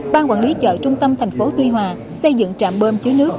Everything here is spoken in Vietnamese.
ban quản lý chợ trung tâm thành phố tuy hòa xây dựng trạm bơm chứa nước